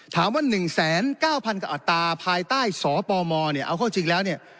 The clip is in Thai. ถามว่า๑๙๐๐กว่าอัตราภายใต้สปมเนี่ยเอาเข้าจริงแล้วเนี่ย